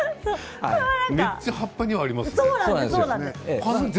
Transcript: めっちゃ葉っぱにはありますね。